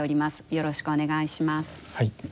よろしくお願いします。